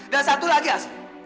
dan satu lagi asri